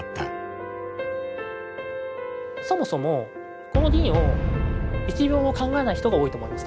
そもそもこの銀を１秒も考えない人が多いと思います